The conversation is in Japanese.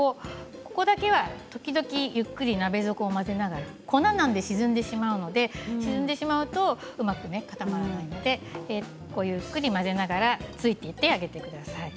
ここだけはゆっくりと鍋底を混ぜながら粉なので沈んでしまうとうまく固まらないのでゆっくり混ぜながらついていってあげてください。